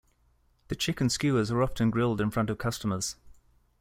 The chicken skewers are often grilled in front of customers.